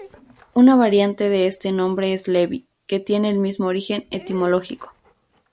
Una variante de este nombre es "Levy", que tiene el mismo origen etimológico.